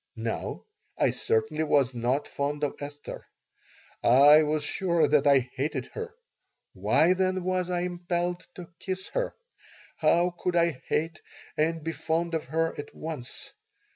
Now, I certainly was not fond of Esther. I was sure that I hated her. Why, then, was I impelled to kiss her? How could I hate and be fond of her at once?